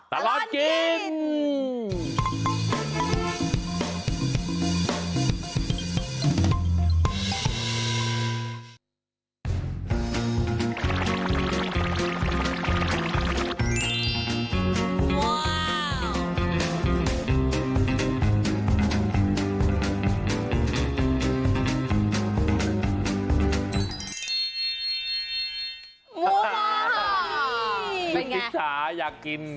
ตลอดกิน